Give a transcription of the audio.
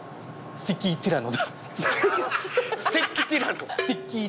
スティッキーティラノ？